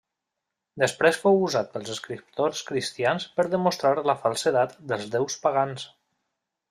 Després fou usat pels escriptors cristians per demostrar la falsedat dels déus pagans.